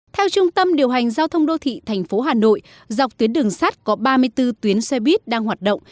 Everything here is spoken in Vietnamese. theo trung tâm điều hành giao thông đô thị thành phố hà nội dọc tuyến đường sắt có ba mươi bốn tuyến xe buýt đang hoạt động